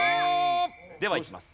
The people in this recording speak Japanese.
ではいきます。